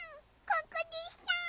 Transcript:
ここでした！